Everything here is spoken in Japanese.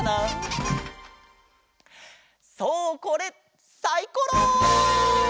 そうこれサイコロ！